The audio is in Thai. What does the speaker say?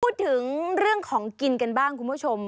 พูดถึงเรื่องของกินกันบ้างคุณผู้ชม